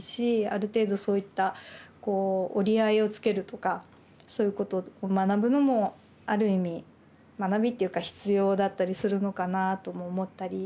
ある程度そういったこう折り合いをつけるとかそういうことを学ぶのもある意味学びっていうか必要だったりするのかなとも思ったり。